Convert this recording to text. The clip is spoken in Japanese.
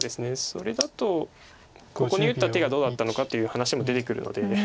それだとここに打った手がどうだったのかという話も出てくるので。